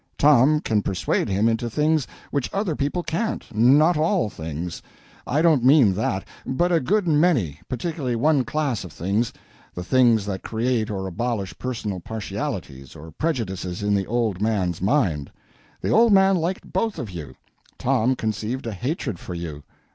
Tom can persuade him into things which other people can't not all things; I don't mean that, but a good many particularly one class of things: the things that create or abolish personal partialities or prejudices in the old man's mind. The old man liked both of you. Tom conceived a hatred for you.